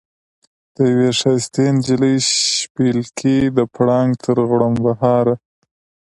د یوې ښایستې نجلۍ شپېلکی د پړانګ تر غړمبهاره.